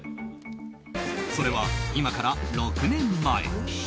それは今から６年前。